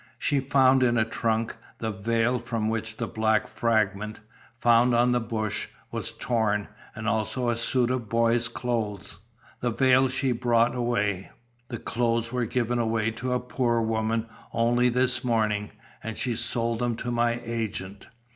She found in a trunk, the veil from which the black fragment, found on the bush, was torn; and also a suit of boy's clothes. The veil she brought away, the clothes were given away to a poor woman only this morning, and she sold them to my agent.